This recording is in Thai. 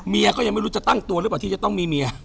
ก็ยังไม่รู้จะตั้งตัวหรือเปล่าที่จะต้องมีเมีย